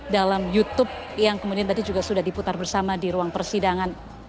dalam youtube yang kemudian tadi juga sudah diputar bersama di ruang persidangan